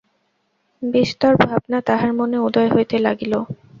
বিস্তর ভাবনা তাঁহার মনে উদয় হইতে লাগিল।